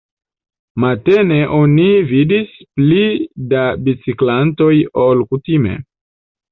Matene oni vidis pli da biciklantoj ol kutime.